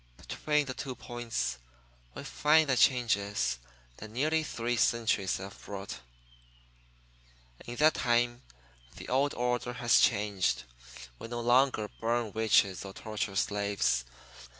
Between the two points we find the changes that nearly three centuries have brought. In that time the old order has changed. We no longer burn witches or torture slaves.